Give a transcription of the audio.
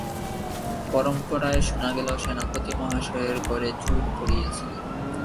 পরম্পরায় শুনা গেল সেনাপতি মহাশয়ের ঘরে চোর পড়িয়াছিল।